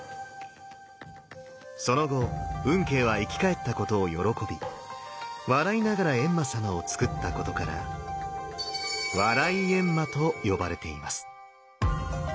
その後運慶は生き返ったことを喜び笑いながら閻魔様をつくったことから「笑い閻魔」と呼ばれています。